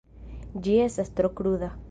Ĝi estas tro kruda.